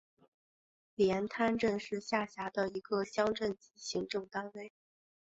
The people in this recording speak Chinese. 连滩镇是下辖的一个乡镇级行政单位。